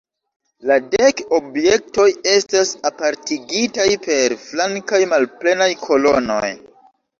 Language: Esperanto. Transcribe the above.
La dek objektoj estas apartigitaj per flankaj malplenaj kolonoj.